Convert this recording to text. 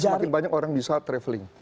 jadi semakin banyak orang bisa traveling